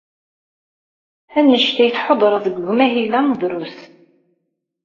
Anect ay tḥudred deg umahil-a drus.